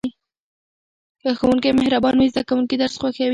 که ښوونکی مهربان وي زده کوونکي درس خوښوي.